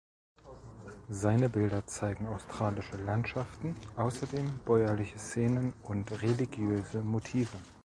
Seine Bilder zeigen australische Landschaften, außerdem bäuerliche Szenen und religiöse Motive.